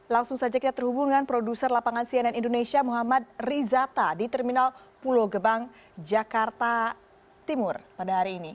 langsung saja kita terhubung dengan produser lapangan cnn indonesia muhammad rizata di terminal pulau gebang jakarta timur pada hari ini